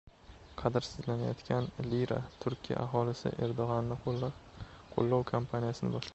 Qadrsizlanayotgan lira: Turkiya aholisi Erdo‘g‘anni qo‘llov kampaniyasini boshladi